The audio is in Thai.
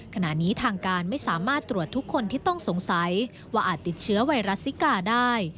ขณะนี้ทางการไม่สามารถตรวจทุกคนที่ต้องสงสัยว่าอาจติดเชื้อไวรัสซิกาได้